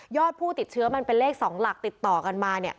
ผู้ติดเชื้อมันเป็นเลข๒หลักติดต่อกันมา